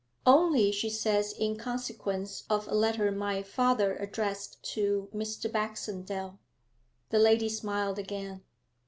'Only, she says, in consequence of a letter my father addressed to Mr. Baxendale.' The lady smiled again.